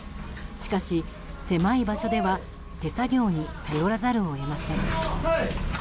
しかし、狭い場所では手作業に頼らざるを得ません。